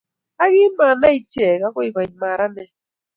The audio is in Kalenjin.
Ak kimanai ichek agoi koit maranet